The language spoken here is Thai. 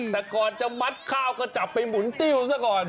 แต่ก่อนจะมัดข้าวก็จับไปหมุนติ้วซะก่อน